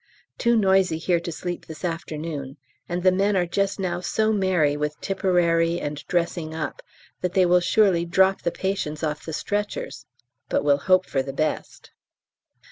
Too noisy here to sleep this afternoon. And the men are just now so merry with Tipperary, and dressing up, that they will surely drop the patients off the stretchers, but we'll hope for the best.